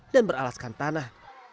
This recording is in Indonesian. dan beralaskan tanah